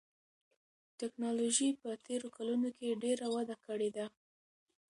تکنالوژي په تېرو کلونو کې ډېره وده کړې ده.